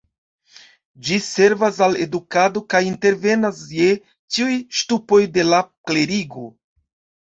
Ĝi servas al edukado kaj intervenas je ĉiuj ŝtupoj de la klerigo.